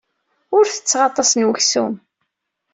Ur ttetteɣ aṭas n weksum.